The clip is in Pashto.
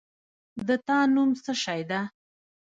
د تا نوم څه شی ده؟